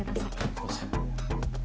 すいません。